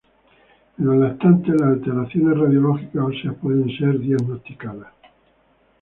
En los lactantes, las alteraciones radiológicas óseas pueden ser diagnosticadas.